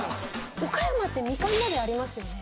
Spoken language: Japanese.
岡山ってみかん鍋ありますよね？